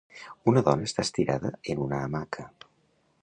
Una dona està estirada en una hamaca.